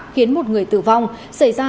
khiến một người tử vong xảy ra